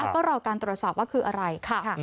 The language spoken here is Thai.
ก็รอการตรวจสอบว่าคืออะไรค่ะ